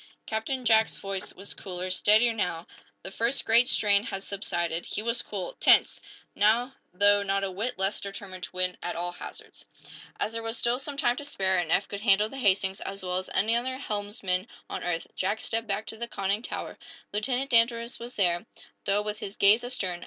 Captain Jack's voice was cooler, steadier, now. The first great strain had subsided. He was cool, tense, now though not a whit less determined to win at all hazards. As there was still some time to spare, and Eph could handle the "Hastings" as well as any other helmsman on earth, Jack stepped back to the conning tower. Lieutenant Danvers was there, though with his gaze astern.